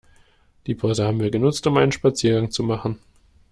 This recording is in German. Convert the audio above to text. Die Pause haben wir genutzt, um einen Spaziergang zu machen.